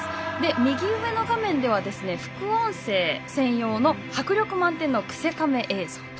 右上の画面では副音声専用の迫力満点のクセカメ映像と。